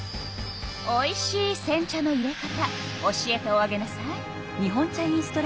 おいしいせん茶のいれ方教えておあげなさい。